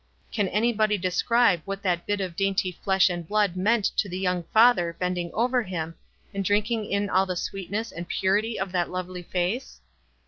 Can anybody describe what that bit of dainty flesh and blood meant to the young father bending over him, and drinking in all the sweetness and purity of that lovely face?